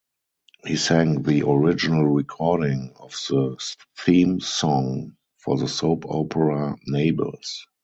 He sang the original recording of the theme song for the soap opera "Neighbours".